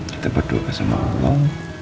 kita berdoa sama allah